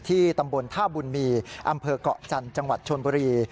ตำบลท่าบุญมีอำเภอกเกาะจันทร์จังหวัดชนบุรี